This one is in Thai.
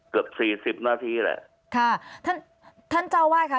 เกือบสี่สิบนาทีแหละค่ะท่านท่านเจ้าวาดค่ะ